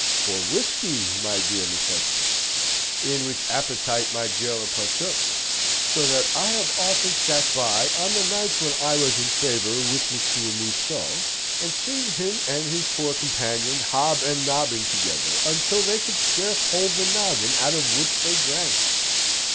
"For whisky, my dear Miss Hester in which appetite my gaoler partook; so that I have often sate by, on the nights when I was in favour with Monsieur Museau, and seen him and his poor companion hob and nobbing together until they could scarce hold the noggin out of which they drank.